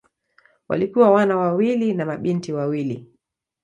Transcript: Walikuwa wana wawili na mabinti wawili.